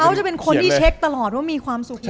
เขาจะเป็นคนที่เช็คตลอดว่ามีความสุขหรือเปล่า